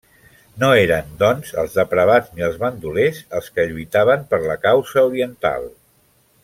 No eren, doncs, els depravats ni els bandolers els que lluitaven per la causa oriental.